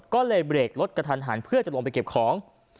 ก็เลยเบรกรถกระทันหันเพื่อจะลงไปเก็บของ